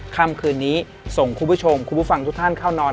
ค่ำคืนนี้ส่งคุณผู้ชมคุณผู้ฟังทุกท่านเข้านอน